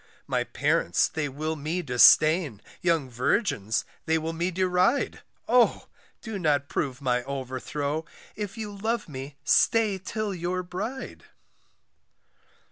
My parents they will me disdain, Young virgins they will me deride, Oh! do not prove my overthrow, If you love me stay till your bride.